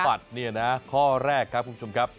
บัตรเนี่ยนะข้อแรกครับคุณผู้ชมครับ